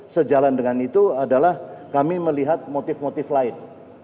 sejalan dengan itu adalah kami melihat motif motif lain